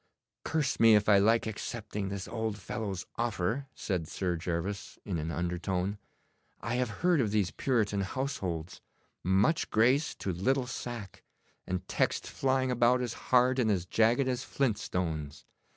'Curse me if I like accepting this old fellow's offer,' said Sir Gervas, in an undertone. 'I have heard of these Puritan households. Much grace to little sack, and texts flying about as hard and as jagged as flint stones.